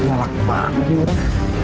nyalak banget ini bu andin